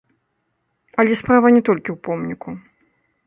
Але справа не толькі ў помніку.